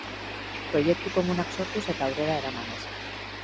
Proiektu komunak sortuz eta aurrera eramanez.